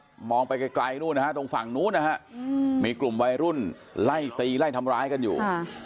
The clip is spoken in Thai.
ก็มองไปไกลนู่นนะฮะตรงฝั่งนู้นนะฮะมีกลุ่มวัยรุ่นไล่ตีไล่ทำร้ายกันอยู่